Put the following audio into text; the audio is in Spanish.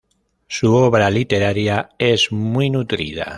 Su obra literaria es muy nutrida.